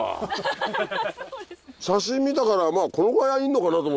写真見たからこのくらいいんのかなと思ったら。